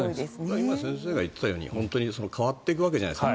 今、先生がおっしゃっていたように変わっていくじゃないですか。